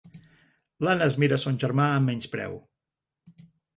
L'Anna es mira son germà amb menyspreu.